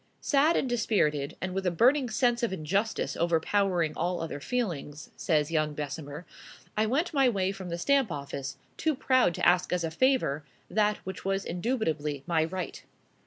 "Sad and dispirited, and with a burning sense of injustice overpowering all other feelings," says young Bessemer, "I went my way from the Stamp Office, too proud to ask as a favor that which was indubitably my right."